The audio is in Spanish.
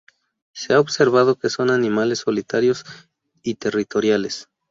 Se ha observado que son animales solitarios y territoriales.